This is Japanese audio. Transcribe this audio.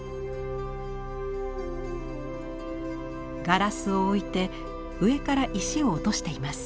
ガラスを置いて上から石を落としています。